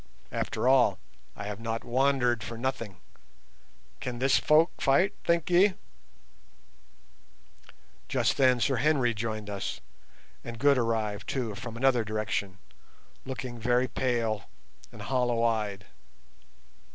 After all, I have not wandered for nothing. Can this folk fight, think ye?" Just then Sir Henry joined us, and Good arrived, too, from another direction, looking very pale and hollow eyed.